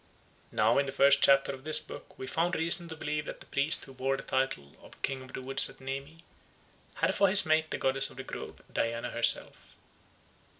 Now in the first chapter of this book we found reason to believe that the priest who bore the title of King of the Wood at Nemi had for his mate the goddess of the grove, Diana herself.